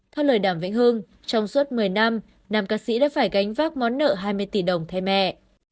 theo lời đàm vĩnh hương trong suốt một mươi năm nam ca sĩ đã phải gánh vác món nợ hai mươi tỷ đồng thay mẹ